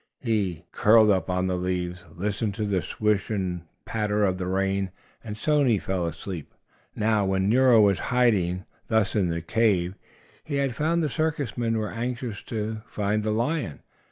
He curled up on the leaves, listened to the swish and patter of the rain, and soon he fell asleep. Now while Nero was hiding thus in the cave he had found, the circus men were anxious to find the lion.